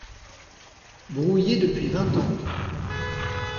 Brouillés depuis vingt ans.